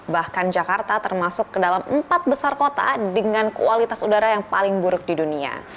bahkan jakarta termasuk ke dalam empat besar kota dengan kualitas udara yang paling buruk di dunia